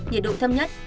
nhiệt độ thâm nhất